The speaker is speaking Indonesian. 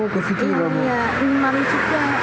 karena dia imam juga pernah jadi imam juga